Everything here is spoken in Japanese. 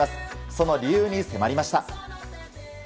その理由に迫りました。